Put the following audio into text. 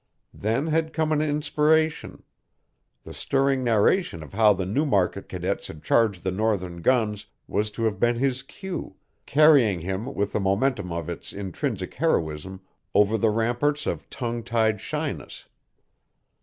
Then had come an inspiration. The stirring narration of how the Newmarket cadets had charged the Northern guns was to have been his cue, carrying him with the momentum of its intrinsic heroism over the ramparts of tongue tied shyness.